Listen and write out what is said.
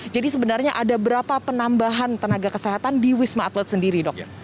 jadi sebenarnya ada berapa penambahan tenaga kesehatan di wisma atlet sendiri dok